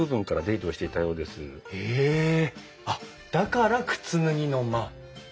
あっだから靴脱ぎの間。